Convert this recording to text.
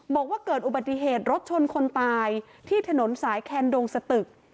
บอกว่าเกิดอุบัติเหตุรถชนคนตายที่ถนนสายแคนดงสตึก